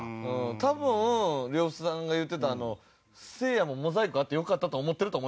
多分呂布さんが言ってたせいやもモザイクあってよかったと思ってると思いますけどね。